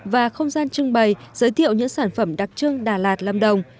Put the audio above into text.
và không gian trưng bày giới thiệu những sản phẩm đặc trưng đà lạt lâm đồng